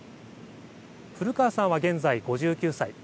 古川さんは現在５９歳。